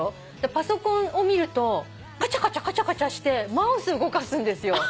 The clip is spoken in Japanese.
パソコンを見るとカチャカチャしてマウス動かすんですよ。